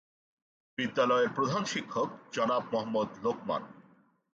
বিদ্যালয়ের প্রধান শিক্ষক জনাব মোহাম্মদ লোকমান।